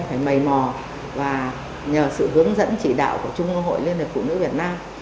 phải mầy mò và nhờ sự hướng dẫn chỉ đạo của trung ương hội liên hiệp phụ nữ việt nam